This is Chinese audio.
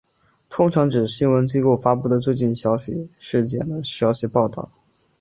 通常指新闻机构发布的最近发生事件的消息报道。